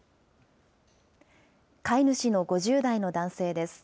飼い主の５０代の男性です。